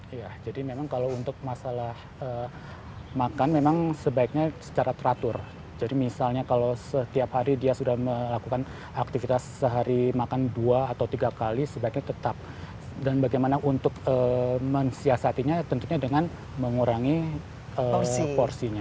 iya jadi memang kalau untuk masalah makan memang sebaiknya secara teratur jadi misalnya kalau setiap hari dia sudah melakukan aktivitas sehari makan dua atau tiga kali sebaiknya tetap dan bagaimana untuk mensiasatinya tentunya dengan mengurangi porsinya